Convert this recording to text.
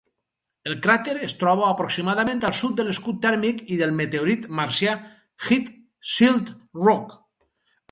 El cràter es troba aproximadament al sud de l'escut tèrmic i del meteorit marcià Heat Shield Rock.